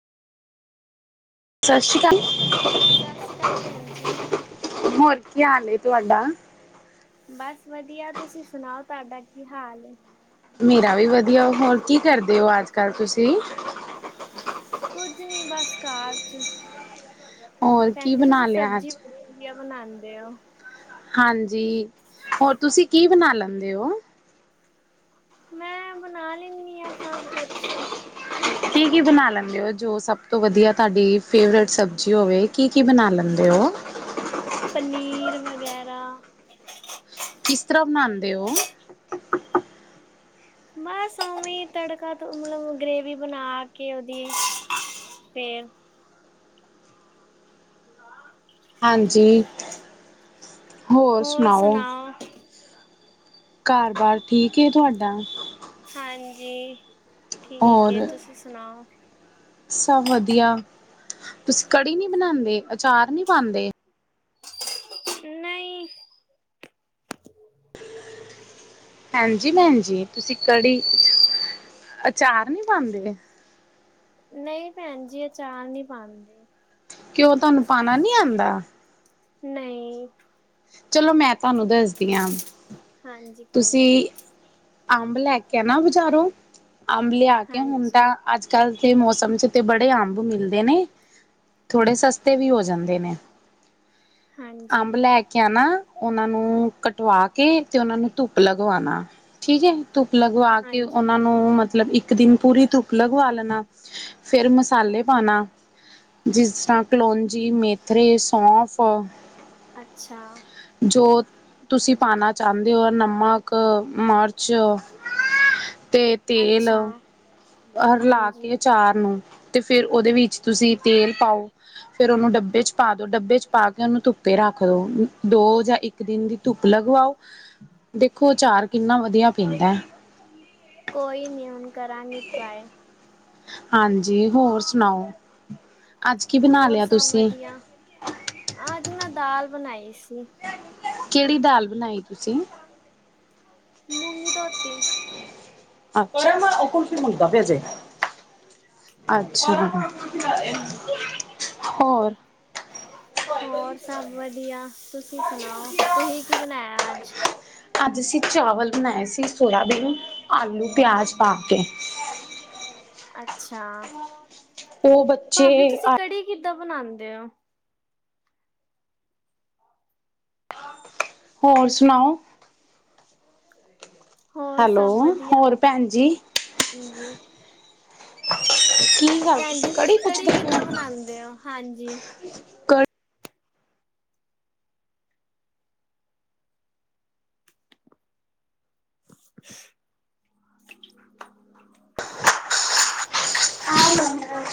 ਸਤਿ ਸ੍ਰੀ ਅਕਾਲ ਸਤਿ ਸ੍ਰੀ ਅਕਾਲ ਭੈਣ ਜੀ ਹੋਰ ਕੀ ਹਾਲ ਤੁਹਾਡਾ? ਬਸ ਵਧੀਆ ਤੁਸੀਂ ਸੁਣਾਓ ਤੁਹਾਡਾ ਕੀ ਹਾਲ ਹੈ? ਮੇਰਾ ਵੀ ਵਧੀਆ ਹੋਰ ਕੀ ਕਰਦੇ ਹੋ ਅੱਜ ਕੱਲ ਤੁਸੀਂ? ਕੁੱਝ ਨੀ ਬਸ ਕਾਰ ਚ। ਹੋਰ ਭੈਣ ਕੀ ਜੀ ਬਣਾ ਤੁਸੀਂ ਲਿਆ ਸਬਜ਼ੀ ਅੱਜ? ਬੜੀ ਵਧੀਆ ਬਣਾਉਂਦੇ। ਤੇ ਉਹ। ਹਾਂਜੀ ਹੋਰ ਤੁਸੀਂ ਕੀ ਬਣਾ ਲੈਂਦੇ ਹੋ? ਮੈਂ ਬਣਾ। ਲੈਂਦੀ ਹਾਂ ਸਭ ਕੁਛ ਕੀ ਕੀ ਬਣਾ ਲੈਂਦੇ ਹੋ ਜੋ ਸ ਸਭ ਤੋਂ ਵਧੀਆ ਤੁਹਾਡੀ ਫੇਵਰੇਟ ਸਬਜ਼ੀ ਹੋਵੇ ਕੀ ਕੀ ਬਣਾ ਲੈਂਦੇ ਉਹ? ਪਨੀਰ ਵਗੈਰਾ। ਕਿਸ ਤਰ੍ਹਾਂ ਬਣਾਉਂਦੇ ਹੋ? ਬਸ ਉਵੇ ਤੜਕਾ ਤੋਂ ਮਤਲਬ ਗ੍ਰੇਵੀ ਬਣਾ ਕੇ ਉਹਦੀ ਫੇਰ ਹਾਂਜੀ। ਹੋਰ ਸੁਣਾਓ? ਘਰ ਬਾਰ ਠੀਕ ਏ ਤੁਹਾਡਾ? ਡਾ ਹਾਂਜੀ। ਠੀਕ ਹੋਰ ਤੁਸੀਂ ਸੁਣਾਓ? ਸਭ ਵਧੀਆ ਤੁਸੀਂ ਕੜੀ ਨਹੀਂ ਬਣਾਂਦੇ ਆਚਾਰ ਨਹੀਂ ਪਾਂਦੇ? ਨਹੀਂ। ਹਾਂਜੀ ਭੈਣ ਜੀ ਤੁਸੀਂ ਕੜੀ ਚਾਰ ਨੀ ਪਾਂਦੇ? ਭੈਣਜੀ ਆਚਾਰ ਨੀ ਪਾਂਦੇ। ਕਿਉਂ ਤੁਹਾਨੂੰ ਪਾਉਣਾ ਨੀ ਆਉਂਦਾ। [unintelligible] ਚਲੋ ਮੈਂ ਤੁਹਾਨੂੰ ਦੱਸਦੀ ਹਾਂ ਹਾਂਜੀ ਕੋਈ ਨੀ ਤੁਸੀਂ ਅੰਬ ਲੈਕੇ ਕਹਣਾ ਬੁਜ਼ਾਰੋ ਅੰਬ ਲਿਆ ਕੇ ਹੁਣ ਹਾਂਜੀ ਤਾਂ ਅੱਜ ਕੱਲ ਤੇ ਮੌਸਮ ਚ ਤੇ ਬੜੇ ਅੰਬ ਮਿਲਦੇ ਨੇ ਥੋੜੇ ਸਸਤੇ ਵੀ ਹੋ ਜਾਂਦੇ ਨੇ। ਹਾਂਜੀ। ਅੰਬ ਲੈ ਕੇ ਆਣਾ ਉਹਨਾਂ ਨੂੰ ਕਟਵਾ ਕੇ ਤੇ ਉਹਨਾ ਨੂੰ ਧੁੱਪ ਲਗਵਾਣਾ ਠੀਕ ਹੈ। ਧੁੱਪ ਲਗਵਾ ਕੇ ਹਾਂਜੀ, ਉਹਨਾਂ ਨੂੰ ਮਤਲਬ ਇੱਕ ਇੱਕ ਦਿਨ ਪੂਰੀ ਧੁੱਪ ਲਗਵਾ ਲੈਣਾ ਫਿਰ ਮਸਾਲੇ ਪਾਣਾ ਜਿਸ ਤਰ੍ਹਾਂ ਕਲੋਂਜੀ ਮੇਥਰੇ ਸੌਂਫ ਅੱਛਾ। ਜੋ ਤੁਸੀਂ ਪਾਉਣਾ ਚਾਹੁੰਦੇ ਹੋ ਨਮਕ ਮਿਰਚ ਅਤੇ ਤੇਲ। ਅੱਛਾ, ਲਾ ਕੇ ਹਾਂਜੀ। ਅਚਾਰ ਨੂੰ ਤੇ ਫਿਰ ਉਹਦੇ ਵਿੱਚ ਤੁਸੀਂ ਤੇਲ ਪਾਓ ਫਿਰਓਨੂੰ ਡੱਬੇ ਚ ਪਾ ਦੋ ਡੱਬੇ ਚ ਪਾ ਕੇ ਉਹਨੂੰ ਧੁੱਪੇ ਰੱਖ ਦੋ ਦੋ ਜਾਂ ਇੱਕ ਦਿਨ ਦੀ ਧੁੱਪ ਲਗਵਾਓ ਦੇਖੋ ਅਚਾਰ ਕਿੰਨਾ ਵਧੀਆ ਪੀਂਦਾ ਹੈ। ਕੋਈ ਨੀ ਹੁਣ ਕਰਾਂਗੀ ਟਰਾਏ। ਹਾਂਜੀ ਹੋਰ ਸੁਣਾਓ? ਅੱਜ ਕੀ ਬਣਾ ਹੋਰ ਲਿਆ ਸਭ ਤੁਸੀਂ ਵਧੀਆ ਅਜ ਮੈਂ ਦਾਲ ਬਣਾਈ ਸੀ। ਕਿਹੜੀ ਦਾਲ ਬਣਾਈ ਤੁਸੀਂ ਮੂੰਗੀ ਧੋਤੀ, ਅੱਛਾ [unintelligible] ਮੁਦਾ ਪਿਆ ਜੇ, ਅੱਛਾ, ਹੋਰ, ਹੋਰ ਸਭ ਵਧੀਆ, ਤੁਸੀਂ ਸੁਣਾਓ ਤੁਸੀਂ ਕੀ ਬਣਾਇਆ ਅੱਜ? ਅੱਜ ਅਸੀਂ ਚਾਵਲ ਬਣਾਏ ਸੀ ਸੋਆਬੀਨ ਆਲੂ ਪਿਆਜ ਪਾ ਕੇ, ਅੱਛਾ ਉਹ ਬੱਚੇ ਭਾਬੀ ਤੁਸੀਂ ਕੜੀ ਕਿ ਕਿਦਾਂ ਬਣਾਦੇ ਹੋ, ਹੋਰ ਸੁਣਾਓ? ਹੋਰ ਹੈਲੋ ਸਭ ਵਧੀਆ ਹੋਰ ਭੈਣ ਜੀ ਹਾਂਜੀ, [unintelligible] ਭੈਣ ਜੀ ਤੁਸੀਂ ਕੜੀ ਕਿੱਦਾਂ ਬਨਾਦੇ ਹੋ ਹਾਂਜੀ। [unintelligible]